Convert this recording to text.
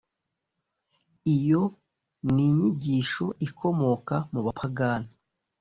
iyo ni inyigisho ikomoka mu bapagani